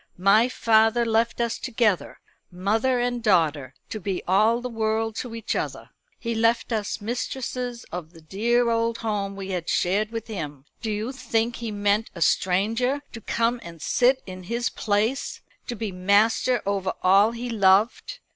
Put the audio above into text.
My father left us together, mother and daughter, to be all the world to each other. He left us mistresses of the dear old home we had shared with him. Do you think he meant a stranger to come and sit in his place to be master over all he loved?